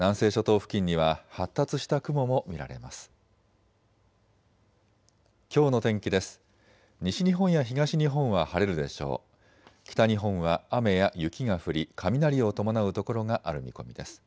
北日本は雨や雪が降り雷を伴う所がある見込みです。